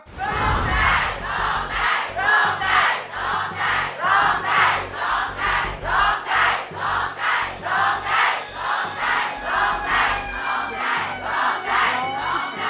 ร้องได้ร้องได้ร้องได้ร้องได้